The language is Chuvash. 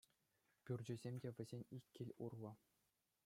Пӳрчӗсем те вӗсен ик кил урлӑ.